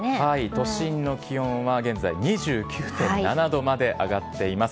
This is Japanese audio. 都心の気温は現在２９．７度まで上がっています。